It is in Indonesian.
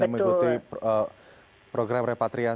kami sudah melakukan pengumuman di rumah